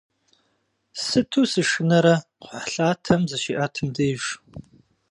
Сыту сышынэрэ кхъухьлъатэм зыщиӏэтым деж!